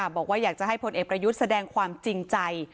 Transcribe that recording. บอกว่าอยากจะให้พลเอกประยุทธ์แสดงความจริงใจ